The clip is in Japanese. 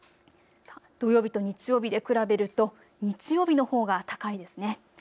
土曜日と日曜日で比べると日曜日のほうが高いですね。